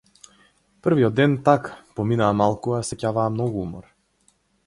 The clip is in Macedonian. Првиот ден, така, поминаа малку, а сеќаваа многу умор.